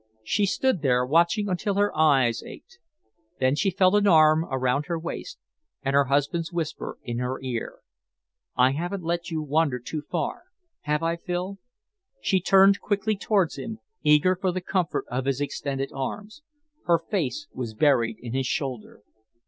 She stood there watching until her eyes ached. Then she felt an arm around her waist and her husband's whisper in her ear. "I haven't let you wander too far, have I, Phil?" She turned quickly towards him, eager for the comfort of his extended arms. Her face was buried in his shoulder.